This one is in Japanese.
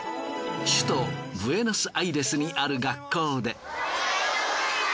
首都ブエノスアイレスにある学校で。